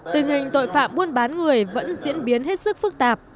tình hình tội phạm buôn bán người vẫn diễn biến hết sức phức tạp